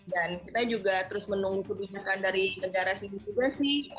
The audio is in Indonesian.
dan kita juga terus menunggu kebijakan dari negara sini juga sih